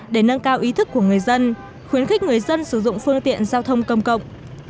để nâng cao ý thức của người dân khuyến khích người dân sử dụng phương tiện giao thông công cộng